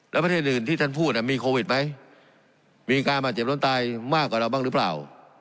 แล้วประเทศอื่นที่ท่านพูดมีโควิดไหมมีการบาดเจ็บล้นตายมากกว่าเราบ้างหรือเปล่า